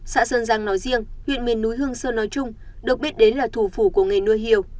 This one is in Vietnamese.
xã sơn giang nói riêng huyện miền núi hương sơn nói chung được biết đến là thủ phủ của nghề nuôi heo